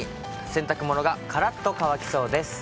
洗濯物がからっと乾きそうです。